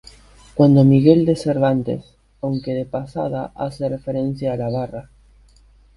Cuando Miguel de Cervantes, aunque de pasada hace referencia a la barra.